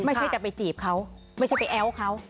ไม่ใช่แต่ไปจีบเขาไม่ใช่ไปแอ้วเขา